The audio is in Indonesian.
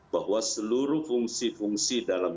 bahwa seluruh fungsi fungsi dalam